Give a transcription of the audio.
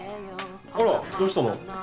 あらどうしたの？